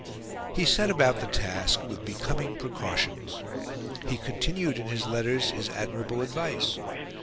He set about the task with becoming precautions. He continued in his letters his admirable advice.